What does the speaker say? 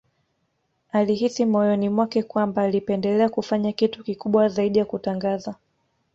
Alihisi moyoni mwake kwamba alipendelea kufanya kitu kikubwa zaidi ya kutangaza